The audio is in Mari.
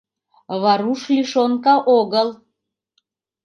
Варуш лишенка огыл.